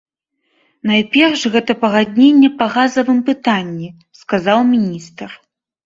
Найперш гэта пагадненне па газавым пытанні, сказаў міністр.